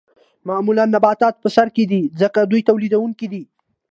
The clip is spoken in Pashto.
معمولاً نباتات په سر کې دي ځکه دوی تولیدونکي دي